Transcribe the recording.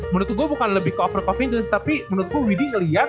menurut gue bukan lebih ke over confidence tapi menurut gue wd ngeliat